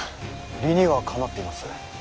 理にはかなっています。